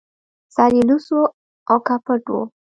سر يې لڅ و او که پټ و